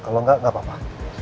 kalau gak gak apa apa